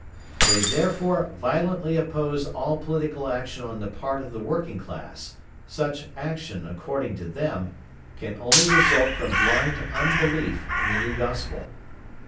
They, therefore, violently oppose all political action on the part of the working class; such action, according to them, can only result from blind unbelief in the new Gospel.